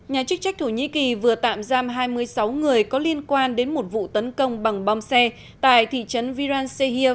nhà chức trách thổ nhĩ kỳ vừa tạm giam hai mươi sáu người có liên quan đến một vụ tấn công bằng bom xe tại thị trấn vransehie